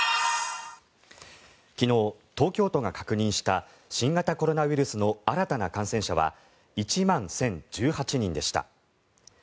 昨日、東京都が確認した新型コロナウイルスの新たな感染者は１万１０１８人でした。